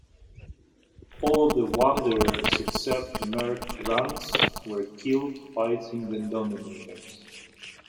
All of the Wanderers except Mekt Ranzz were killed fighting the Dominators.